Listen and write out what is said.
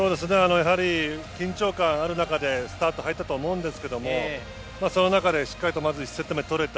やはり緊張感ある中でスタート入ったと思うんですけどその中で、まずしっかりと１セット目を取れた。